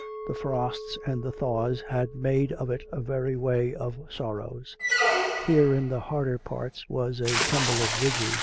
The frosts and the tliaws had made of it a very way of sorrows. Here in the harder parts was a tumble of ridges 28 COME RACK!